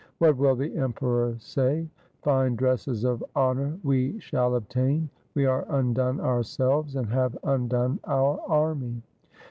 What will the Emperor say ? Fine dresses of honour we shall obtain ! We are undone ourselves and have undone our army.'